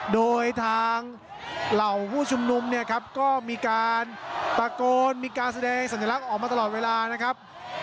โดยทางเหล่าผู้ชุมนุมเนี่ยครับก็มีการตะโกนมีการแสดงสัญลักษณ์ออกมาตลอดเวลานะครับ